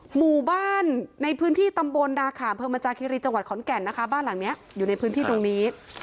หมู่บ้านในพื้นที่ตำบลดาขามเพิมจาคิรีจังหวัดขอนแก่นนะคะบ้านหลังนี้อยู่ในพื้นที่ตรงนี้